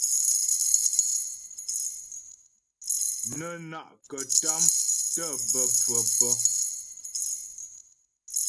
Nə́ na'kətàm tə́ bə́ pfə̌ pə́.